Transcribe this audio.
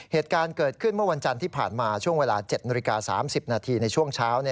เหตุการณ์เกิดขึ้นเมื่อวันจันทร์ที่ผ่านมาช่วงเวลา๗นาฬิกา๓๐นาทีในช่วงเช้า